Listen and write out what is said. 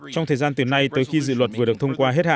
trong thời gian từ nay tới khi dự luật vừa được thông qua hết hạn